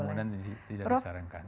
kerumunan tidak disarankan